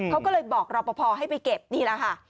เขาก็เลยบอกรอปภให้ไปเก็บนี่แหละค่ะ